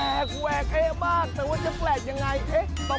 แต่ว่าจะแปลกอย่างไรต้องไปตามหาครับ